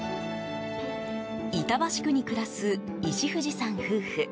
板橋区に暮らす石藤さん夫婦。